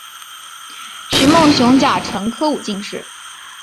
徐梦熊甲辰科武进士。